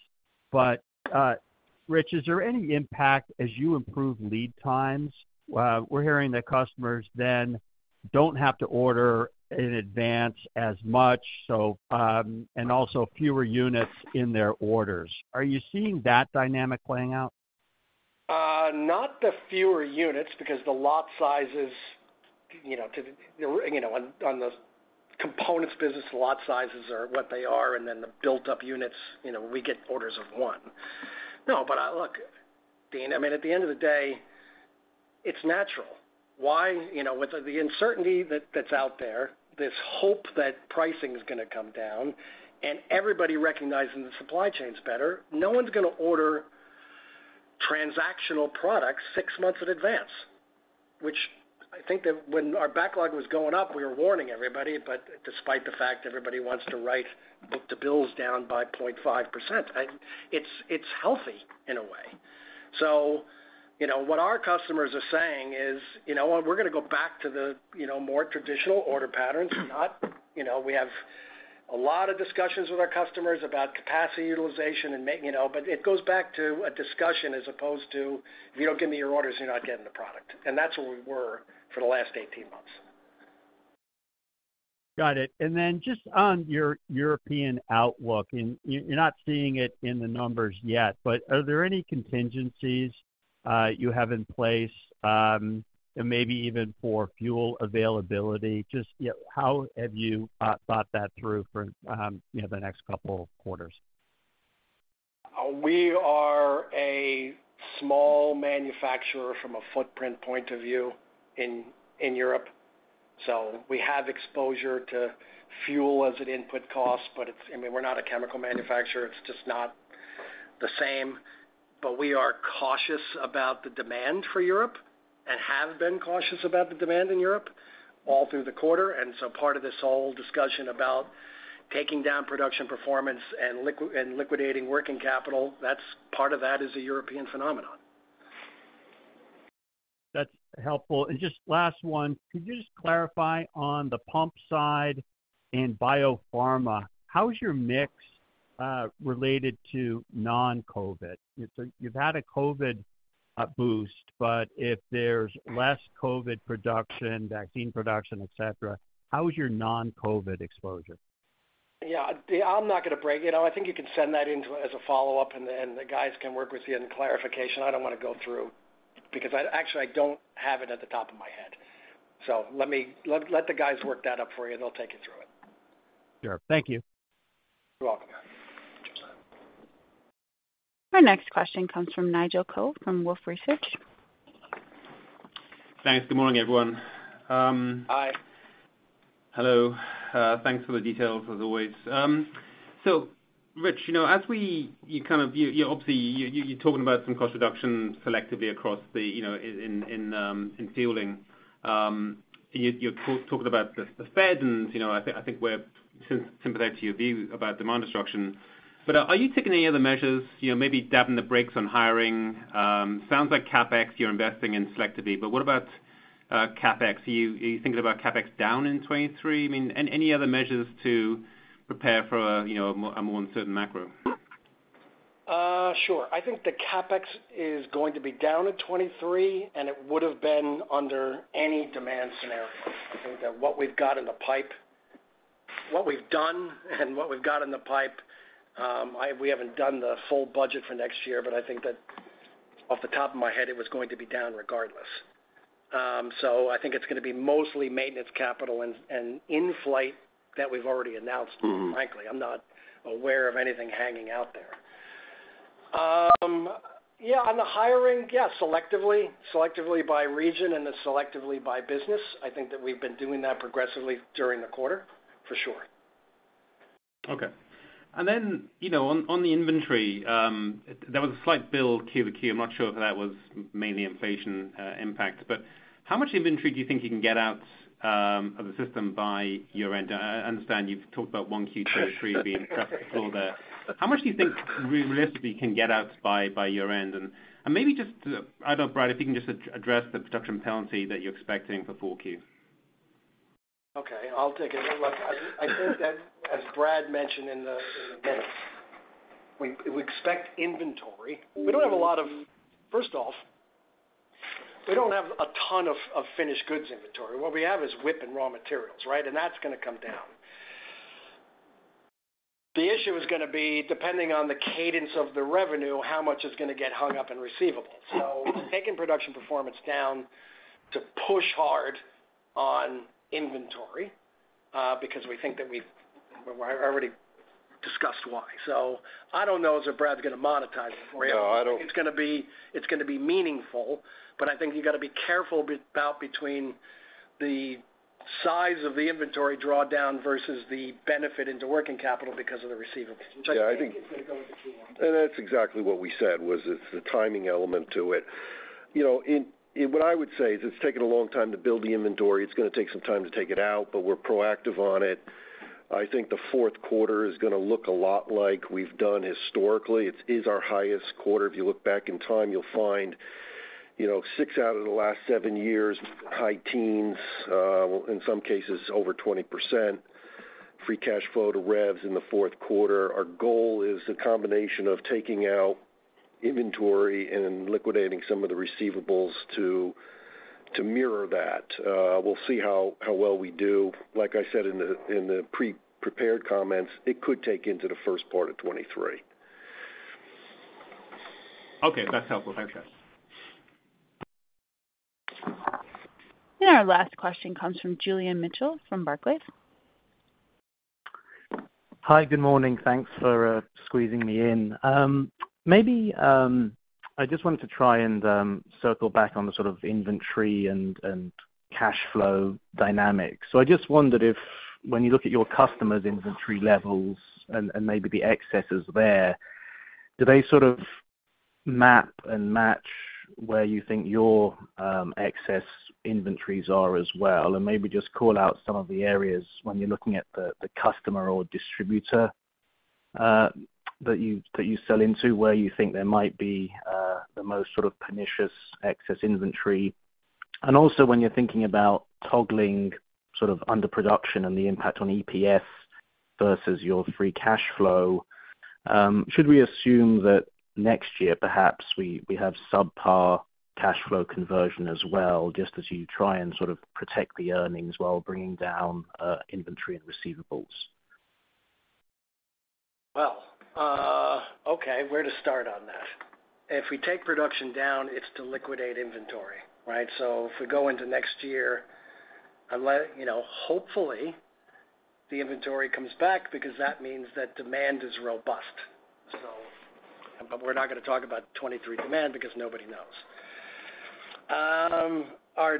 Rich, is there any impact as you improve lead times? We're hearing that customers then don't have to order in advance as much, and also fewer units in their orders. Are you seeing that dynamic playing out? Not the fewer units because the lot sizes, you know, on the components business, the lot sizes are what they are, and then the built up units, you know, we get orders of one. Look, Deane, I mean, at the end of the day, it's natural. Why, you know, with the uncertainty that's out there, this hope that pricing is gonna come down and everybody recognizing the supply chain's better, no one's gonna order transactional products six months in advance, which I think that when our backlog was going up, we were warning everybody. Despite the fact everybody wants to write book to bill down by 0.5%, it's healthy in a way. You know, what our customers are saying is, "You know what? We're gonna go back to the, you know, more traditional order patterns. Not, you know, we have a lot of discussions with our customers about capacity utilization and you know. It goes back to a discussion as opposed to, "If you don't give me your orders, you're not getting the product." That's where we were for the last 18 months. Got it. Just on your European outlook, and you're not seeing it in the numbers yet, but are there any contingencies you have in place, and maybe even for fuel availability? Just, you know, how have you thought that through for you know, the next couple quarters? We are a small manufacturer from a footprint point of view in Europe. We have exposure to fuel as an input cost, but it's, I mean, we're not a chemical manufacturer. It's just not the same. We are cautious about the demand for Europe and have been cautious about the demand in Europe all through the quarter. Part of this whole discussion about taking down production performance and liquidating working capital, that's part of that is a European phenomenon. That's helpful. Just last one. Could you just clarify on the pump side in biopharma, how's your mix related to non-COVID? You've had a COVID boost, but if there's less COVID production, vaccine production, et cetera, how is your non-COVID exposure? Yeah, Deane Dray, I'm not gonna break it. I think you can send that in as a follow-up, and then the guys can work with you on clarification. I don't wanna go through because actually, I don't have it off the top of my head. Let the guys work that up for you, and they'll take you through it. Sure. Thank you. You're welcome. Our next question comes from Nigel Coe from Wolfe Research. Thanks. Good morning, everyone. Hi. Hello. Thanks for the details as always. Rich, you know, you kind of obviously talking about some cost reductions selectively across the, you know, in filling. You talked about the Fed and, you know, I think we're sympathetic to your view about demand destruction. Are you taking any other measures, you know, maybe tapping the brakes on hiring? Sounds like CapEx you're investing in selectively, but what about CapEx? Are you thinking about CapEx down in 2023? I mean, any other measures to prepare for, you know, a more uncertain macro? Sure. I think the CapEx is going to be down at $23, and it would have been under any demand scenario. I think that what we've done and what we've got in the pipe, we haven't done the full budget for next year, but I think that off the top of my head, it was going to be down regardless. I think it's gonna be mostly maintenance capital and in-flight that we've already announced. Mm-hmm. Frankly, I'm not aware of anything hanging out there. Yeah, on the hiring, yeah, selectively. Selectively by region and then selectively by business. I think that we've been doing that progressively during the quarter, for sure. Okay. You know, on the inventory, there was a slight build quarter-over-quarter. I'm not sure if that was mainly inflation impact. How much inventory do you think you can get out of the system by year-end? I understand you've talked about Q1 2023 being the floor there. How much do you think realistically you can get out by year-end? Maybe just, I don't know, Brad, if you can just address the production penalty that you're expecting for Q4. Okay, I'll take it. Look, I think as Brad mentioned in the deck, we expect inventory. First off, we don't have a ton of finished goods inventory. What we have is WIP and raw materials, right? That's gonna come down. The issue is gonna be, depending on the cadence of the revenue, how much is gonna get hung up in receivables. Taking production performance down to push hard on inventory because we think that we've already discussed why. I don't know as if Brad's gonna model it for you. No, I don't. It's gonna be meaningful, but I think you gotta be careful about between the size of the inventory drawdown versus the benefit to working capital because of the receivables. Yeah, I think. I think it's gonna go with the Q1. That's exactly what we said was it's the timing element to it. And what I would say is it's taken a long time to build the inventory. It's gonna take some time to take it out, but we're proactive on it. I think the fourth quarter is gonna look a lot like we've done historically. It is our highest quarter. If you look back in time, you'll find, six out of the last seven years, high teens, in some cases over 20% free cash flow to revs in the fourth quarter. Our goal is the combination of taking out inventory and liquidating some of the receivables to mirror that. We'll see how well we do. Like I said in the pre-prepared comments, it could take into the first part of 2023. Okay. That's helpful. Thanks, guys. Our last question comes from Julian Mitchell from Barclays. Hi. Good morning. Thanks for squeezing me in. Maybe I just wanted to try and circle back on the sort of inventory and cash flow dynamics. I just wondered if when you look at your customers' inventory levels and maybe the excesses there, do they sort of map and match where you think your excess inventories are as well? Maybe just call out some of the areas when you're looking at the customer or distributor that you sell into, where you think there might be the most sort of pernicious excess inventory. Also, when you're thinking about toggling sort of underproduction and the impact on EPS versus your free cash flow, should we assume that next year, perhaps we have subpar cash flow conversion as well, just as you try and sort of protect the earnings while bringing down inventory and receivables? Well, okay, where to start on that? If we take production down, it's to liquidate inventory, right? If we go into next year, you know, hopefully, the inventory comes back because that means that demand is robust. We're not gonna talk about 2023 demand because nobody knows. Our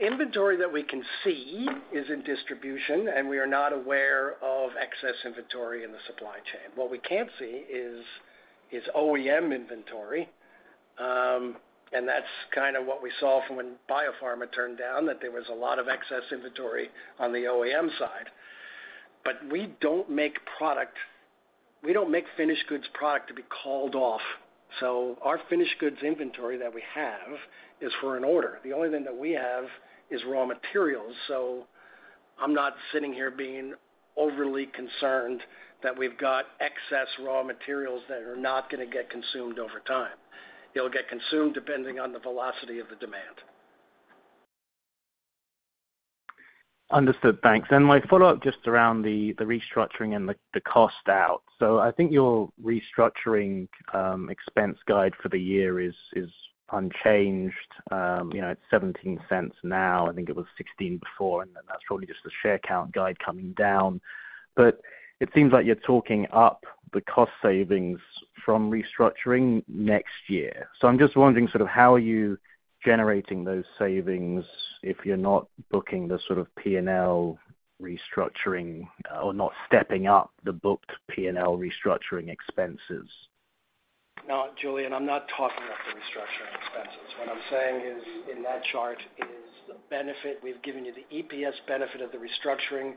inventory that we can see is in distribution, and we are not aware of excess inventory in the supply chain. What we can see is OEM inventory, and that's kind of what we saw from when biopharma turned down, that there was a lot of excess inventory on the OEM side. We don't make finished goods product to be called off. Our finished goods inventory that we have is for an order. The only thing that we have is raw materials, so I'm not sitting here being overly concerned that we've got excess raw materials that are not gonna get consumed over time. It'll get consumed depending on the velocity of the demand. Understood. Thanks. My follow-up just around the restructuring and the cost out. I think your restructuring expense guide for the year is unchanged. You know, it's $0.17 now. I think it was $0.16 before, and then that's probably just the share count guide coming down. It seems like you're talking up the cost savings from restructuring next year. I'm just wondering sort of how are you generating those savings if you're not booking the sort of P&L restructuring or not stepping up the booked P&L restructuring expenses? No, Julian, I'm not talking up the restructuring expenses. What I'm saying is, in that chart is the benefit. We've given you the EPS benefit of the restructuring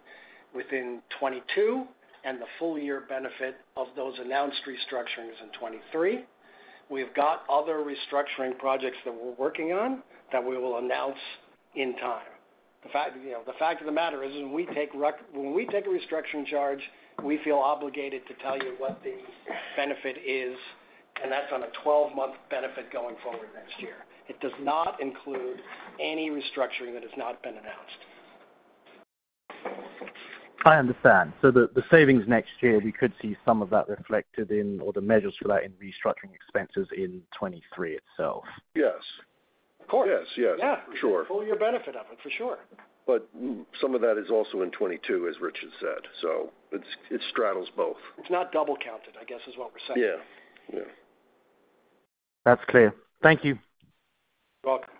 within 2022, and the full-year benefit of those announced restructurings in 2023. We've got other restructuring projects that we're working on that we will announce in time. The fact of the matter is when we take a restructuring charge, we feel obligated to tell you what the benefit is, and that's on a 12-month benefit going forward next year. It does not include any restructuring that has not been announced. I understand. The savings next year, we could see some of that reflected in or the measures for that in restructuring expenses in 2023 itself. Yes. Of course. Yes. Yes. Yeah. For sure. Full year benefit of it, for sure. Some of that is also in 2022, as Rich has said. It's, it straddles both. It's not double counted, I guess, is what we're saying. Yeah. Yeah. That's clear. Thank you. You're welcome.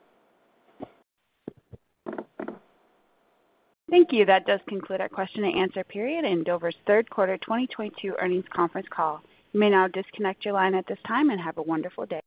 Thank you. That does conclude our question and answer period in Dover's third quarter 2022 earnings conference call. You may now disconnect your line at this time, and have a wonderful day.